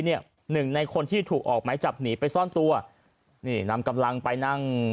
หนึ่งในคนที่ถูกออกไม้จับหนีไปซ่อนตัวนี่นำกำลังไปนั่ง